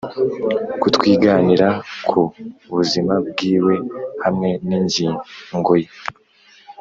kutwiganira ku buzima bwiwe hamwe n'ingingoye